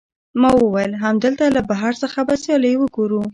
ما وویل، همدلته له بهر څخه به سیالۍ وګورو.